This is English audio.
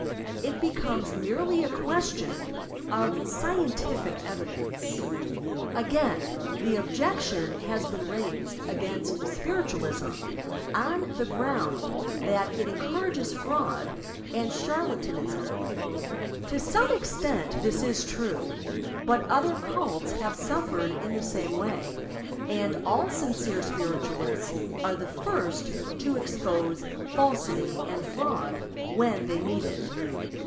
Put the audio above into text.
It becomes merely a question of scientific evidence. 294 YOUR PSYCHIC POWERS Again the objection has been raised against spirit ualism on the ground that it eneourages fraud and charlatanism. To some extent this is true, but other cults have suffered in the same way, and all sincere spiritualists are the first to expose falsity and fraud when they meet it.